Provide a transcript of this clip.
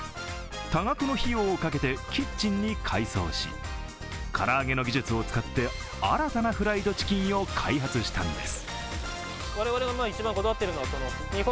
多額の費用をかけて、キッチンに改装しからあげの技術を使って新たなフライドチキンを開発したんです。